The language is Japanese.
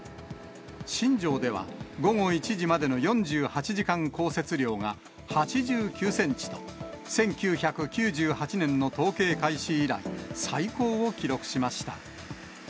新庄では、午後１時までの４８時間降雪量が８９センチと、１９９８年の統計開始以来、最高を記録しました。